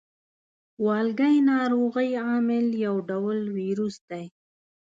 والګی ناروغۍ عامل یو ډول ویروس دی.